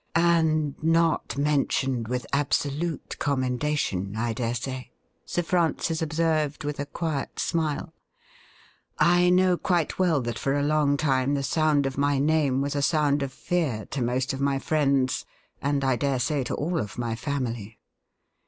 ' And not mentioned with absolute commendation, I dare say,' Sir Francis observed, with a quiet smile. 'I know quite well that for a long time the sound of my name was a sound of fear to most of my friends, and I dare say to all of my family.